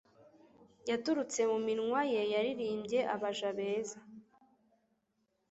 yaturutse mu minwa ye; yaririmbye abaja beza